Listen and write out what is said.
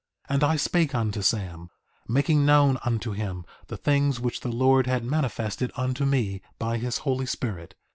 2:17 And I spake unto Sam, making known unto him the things which the Lord had manifested unto me by his Holy Spirit.